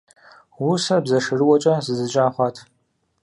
Усэр бзэ шэрыуэкӀэ зэдзэкӀа хъуат.